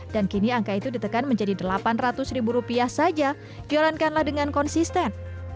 dan kini angka itu ditekan menjadi delapan ratus ribu rupiah saja jalankanlah dengan konsisten